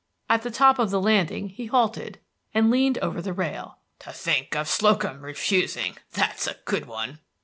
At the top of the landing he halted, and leaned over the rail. "To think of Slocum refusing, that's a good one!"